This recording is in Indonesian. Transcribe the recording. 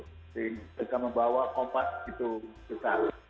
jadi bisa membawa kompas itu ke sana